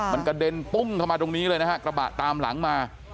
มันกระเด็นปุ้งเข้ามาตรงนี้เลยนะฮะกระบะตามหลังมา